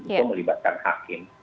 itu melibatkan hakim